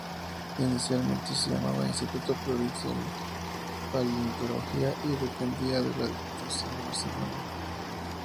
Inicialmente se llamaba "Instituto Provincial de Paleontología", y dependía de la Diputación de Barcelona.